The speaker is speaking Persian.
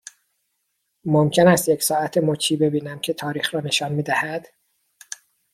ممکن است یک ساعت مچی ببینم که تاریخ را نشان می دهد؟